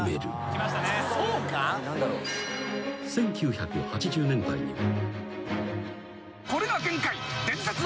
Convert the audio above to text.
［１９８０年代には］